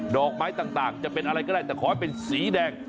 อกไม้ต่างจะเป็นอะไรก็ได้แต่ขอให้เป็นสีแดง